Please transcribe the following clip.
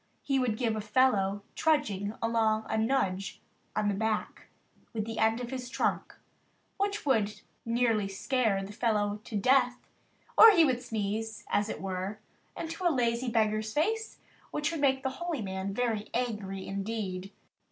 He would give a fellow trudging along a nudge on the back with the end of his trunk, which would nearly scare the fellow to death; or he would sneeze, as it were, into a lazy beggar's face, which would make the "Holy Man" very angry indeed.